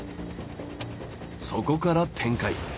そこから展開。